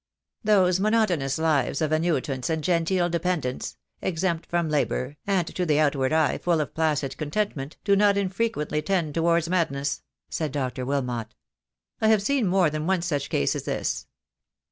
"Those monotonous lives of annuitants and genteel dependents — exempt from labour, and to the outward eye full of placid contentment, do not infrequently tend towards madness," said Dr. Wilmot. "I have seen more than one such case as this.